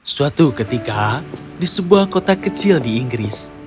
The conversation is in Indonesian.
suatu ketika di sebuah kota kecil di inggris